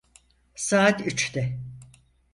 Saat üçte.